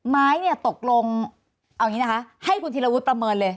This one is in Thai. ไม้เนี่ยตกลงเอาอย่างนี้นะคะให้คุณธีรวุฒิประเมินเลย